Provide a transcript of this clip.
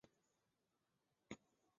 下阕开始两句一般要求对仗。